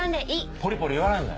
「ポリポリ」言わないんだよ！